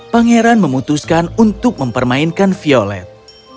pangeran memutuskan untuk mempermainkan violet